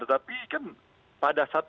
tapi kan pada saat